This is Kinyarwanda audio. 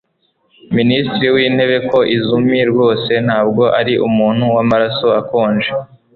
Minisitiri wintebe Koizumi rwose ntabwo ari umuntu wamaraso akonje